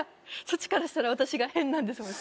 そっちからしたら私がヘンなんですね